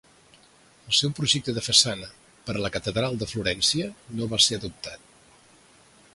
El seu projecte de façana per a la catedral de Florència no va ser adoptat.